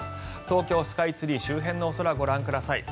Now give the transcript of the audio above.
東京スカイツリー周辺のお空ご覧ください。